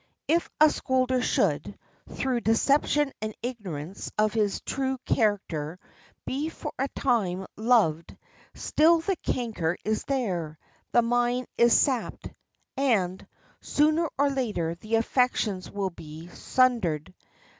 If a scolder should, through deception and ignorance of his true character, be for a time loved, still the canker is there, the mine is sapped, and, sooner or later, the affections will be sundered.